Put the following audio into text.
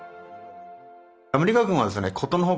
アメリカ軍はですね殊の外